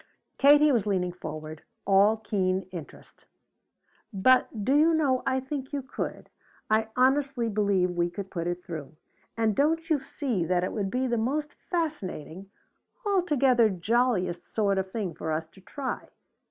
Katie was leaning forward, all keen interest. "But do you know, I think you could. I honestly believe we could put it through! And don't you see that it would be the most fascinating altogether jolliest sort of thing for us to try?